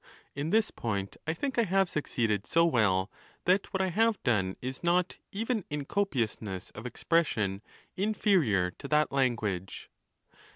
In this point I think I have succeeded so well that what. I have done is not, even in copiousness of expression, inferior to that lan guage.